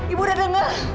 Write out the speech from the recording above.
ibu udah dengar